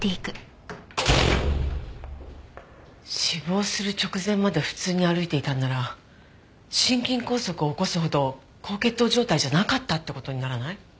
死亡する直前まで普通に歩いていたんなら心筋梗塞を起こすほど高血糖状態じゃなかったって事にならない？